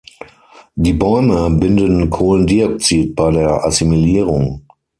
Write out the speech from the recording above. Die Bäume binden Kohlendioxid bei der Assimilierung.